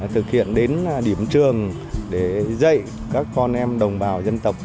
thực hiện đến điểm trường để dạy các con em đồng bào dân tộc